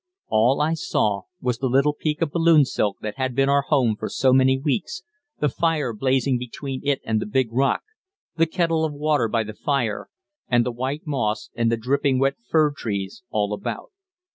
All I saw was the little peak of balloon silk that had been our home for so many weeks, the fire blazing between it and the big rock, the kettle of water by the fire, and the white moss and the dripping wet fir trees all about.